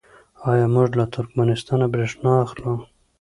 آیا موږ له ترکمنستان بریښنا اخلو؟